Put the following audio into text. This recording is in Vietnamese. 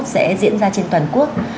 sẽ diễn ra trên toàn quốc